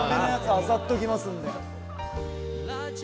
漁っときますんで。